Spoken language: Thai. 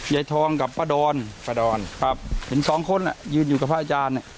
ไยทองกับประดอนเห็นสองคนน่ะยืนอยู่กับพระอาจารย์เนี่ย